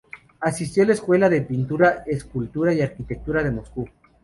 Asistió a la Escuela de Pintura, Escultura y Arquitectura de Moscú.